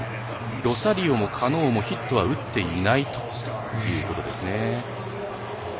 ロサリオもカノーもヒットは打っていないということですね。